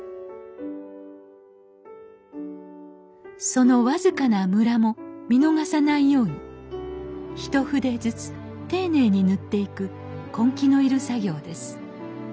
その僅かなむらも見逃さないように一筆ずつ丁寧に塗っていく根気の要る作業です